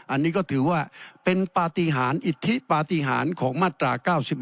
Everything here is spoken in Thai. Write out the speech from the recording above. อันนี้ก็ถือว่าเป็นปฏิหารอิทธิปฏิหารของมาตรา๙๑